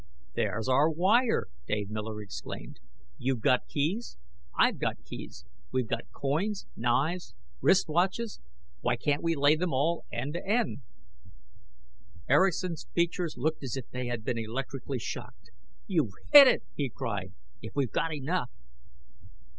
"There's our wire!" Dave Miller exclaimed. "You've got keys; I've got keys. We've got coins, knives, wristwatches. Why can't we lay them all end to end " Erickson's features looked as if he had been electrically shocked. "You've hit it!" he cried. "If we've got enough!"